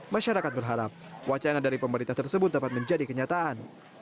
masyarakat berharap wacana dari pemerintah tersebut dapat menjadi kenyataan